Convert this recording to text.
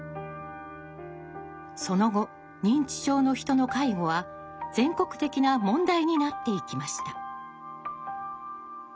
その後認知症の人の介護は全国的な問題になっていきました。